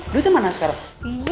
duitnya mana sekarang